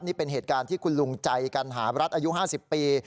นี่เป็นเหตุการณ์ที่คุณลุงใจกัณหารัฐอายุ๕๐ปี